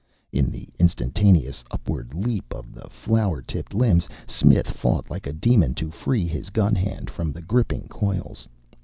In the instantaneous upward leap of the flower tipped limbs Smith fought like a demon to free his gun hand from the gripping coils.